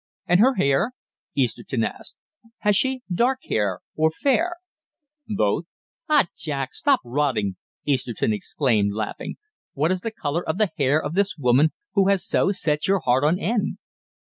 "And her hair?" Easterton asked. "Has she dark hair or fair?" "Both." "Ah, Jack, stop rottin'," Easterton exclaimed, laughing. "What is the colour of the hair of this woman who has so set your heart on end?"